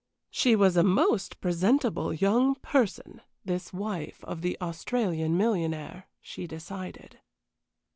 She was a most presentable young person, this wife of the Australian millionaire, she decided.